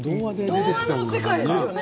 童話の世界ですね。